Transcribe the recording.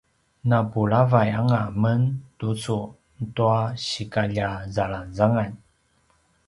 napulavay anga men tucu tua sikalja zalangzangan